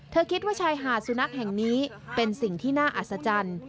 คิดว่าชายหาดสุนัขแห่งนี้เป็นสิ่งที่น่าอัศจรรย์